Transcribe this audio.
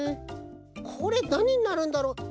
これなにになるんだろう？